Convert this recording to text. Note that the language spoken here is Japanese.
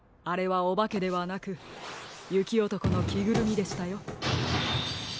あれはおばけではなくゆきおとこのきぐるみでしたよ。